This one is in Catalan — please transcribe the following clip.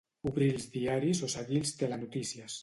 obrir els diaris o seguir els telenotícies